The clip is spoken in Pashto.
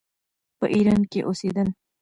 په ایران کې اوسېدل.